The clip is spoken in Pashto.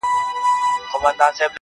خوارسومه انجام مي د زړه ور مـات كړ,